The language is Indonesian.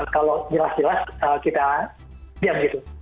kalau jelas jelas kita diam gitu